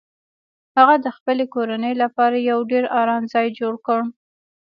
هغه د خپلې کورنۍ لپاره یو ډیر ارام ځای جوړ کړ